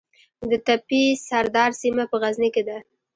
د تپې سردار سیمه په غزني کې ده